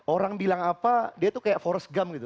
orang bilang apa dia itu kayak forrest gump gitu